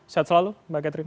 sehat selalu mbak catherine